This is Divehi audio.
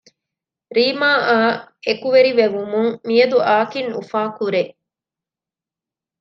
ރީމާ އާ އެކުވެރި ވެވުމުން މިއަދު އާކިން އުފާކުރޭ